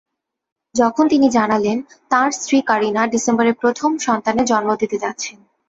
যখন তিনি জানালেন, তাঁর স্ত্রী কারিনা ডিসেম্বরে প্রথম সন্তানের জন্ম দিতে যাচ্ছেন।